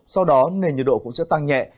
sau đó nền nhiệt độ cũng sẽ tăng nhẹ